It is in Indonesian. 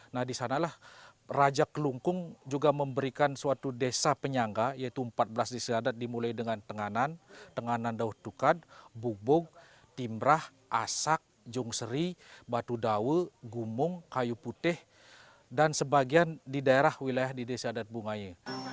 nah di sanalah raja kelungkung juga memberikan suatu desa penyangga yaitu empat belas desa adat dimulai dengan tenganan tenganan daud dukat bubuk timrah asak jungseri batu daul gumung kayu putih dan sebagian di daerah wilayah di desa adat bungaya